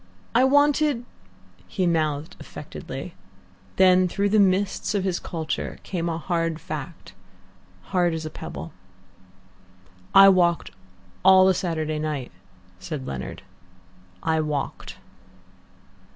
I wanted " He mouthed affectedly. Then through the mists of his culture came a hard fact, hard as a pebble. "I walked all the Saturday night," said Leonard. "I walked."